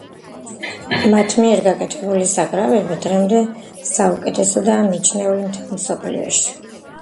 მათ მიერ გაკეთებული საკრავები დღემდე საუკეთესოდაა მიჩნეული მთელ მსოფლიოში.